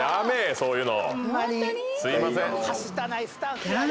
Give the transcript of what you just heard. そういうの。